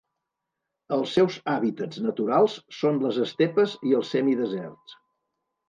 Els seus hàbitats naturals són les estepes i els semideserts.